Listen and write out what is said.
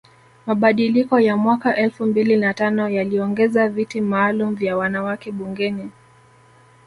Mabadiliko ya mwaka elfu mbili na tano yaliongeza viti maalum vya wanawake bungeni